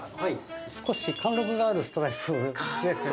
少し貫禄があるストライプです。